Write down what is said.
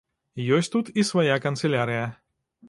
Ёсць тут і свая канцылярыя.